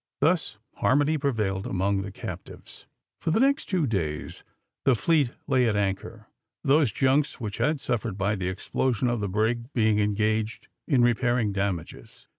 Thus harmony prevailed among the captives. For the next two days the fleet lay at anchor, those junks which had suffered by the explosion of the brig being engaged in repairing damages.